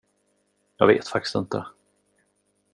Jag vet faktiskt inte.